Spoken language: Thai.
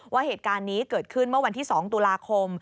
ว่าเหตุการณ์นี้เกิดขึ้นเมื่อวันที่๒ตุลาคม